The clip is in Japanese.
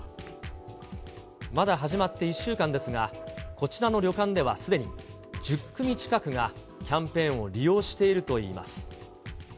まだ始まって１週間ですが、こちらの旅館ではすでに１０組近くがキャンペーンを利用しているといいます。